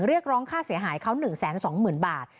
เรียกร้องค่าเสียหายเขา๑๒๐๐๐บาท